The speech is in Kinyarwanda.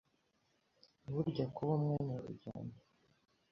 Burya kuba umwe ni urugendo,